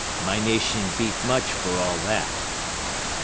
—My nation beat much for all that.